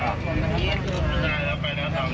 อ้าวอ้าวอ้าว